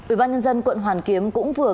ủy ban nhân dân quận hoàn kiếm cũng vừa